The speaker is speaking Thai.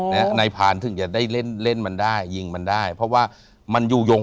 นายพานถึงจะได้เล่นเล่นมันได้ยิงมันได้เพราะว่ามันอยู่ยง